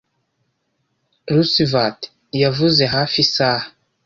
Roosevelt yavuze hafi isaha